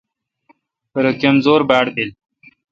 پرہ کمزور باڑ بل۔